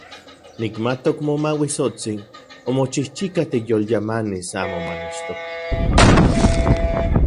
Nikmatok Momauitsotsin omochijchika tikyolyamanis amo manechtokti.